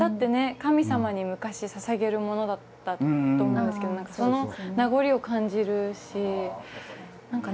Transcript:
神様に昔捧げるものだったと思うんですけど何かその名残を感じるし何かね